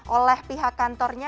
oleh pihak kantornya